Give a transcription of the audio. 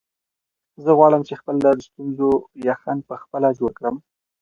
زه غواړم چې خپل د ستورو یخن په خپله جوړ کړم.